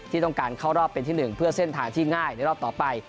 ที่ต้องการเข้ารอบเป็นที่๑เพื่อเส้นทางที่ง่ายในรอบต่อไป